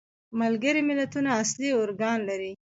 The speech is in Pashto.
ملګري ملتونه اصلي ارکان لري.